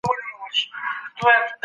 مور مي وویل چي خپل هدف ته ورسېږه.